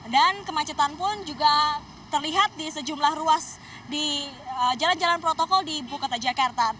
kemacetan pun juga terlihat di sejumlah ruas di jalan jalan protokol di ibu kota jakarta